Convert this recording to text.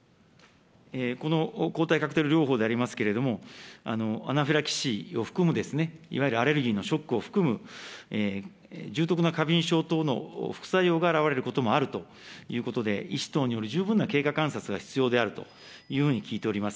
この抗体カクテル療法でありますけれども、アナフィラキシーを含む、いわゆるアレルギーのショックを含む重篤な過敏症等の副作用が現れることもあるということで医師等による十分な経過観察が必要であるというふうに聞いております。